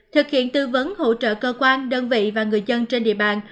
thực hiện tư vấn hỗ trợ cơ quan đơn vị và người dân trên địa bàn